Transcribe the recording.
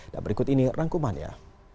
dan berikut ini rangkumannya